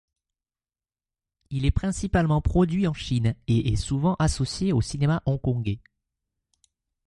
Il est principalement produit en Chine et est souvent associé au cinéma hongkongais.